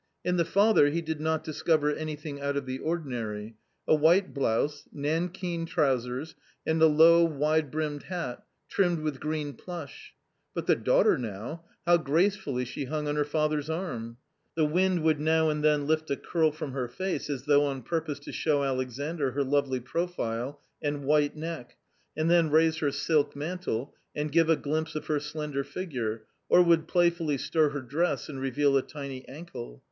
In the father he did not discover anything out of the ordinary. A white blouse, nankeen trousers, and a low wide brimmed hat, trimmed with green plush. But the daughter now ! how gracefully she hung on her father's arm ! The wind would now and then lift a curl from her face as though on purpose to show Alexandr her lovely profile and white neck, and then raise her silk mantle and give a glimpse of her slender figure, or would playfully stir her dress and reveal a tiny ankle.